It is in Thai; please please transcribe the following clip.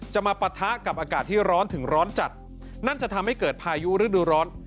มาปะทะกับอากาศที่ร้อนถึงร้อนจัดนั่นจะทำให้เกิดพายุฤดูร้อน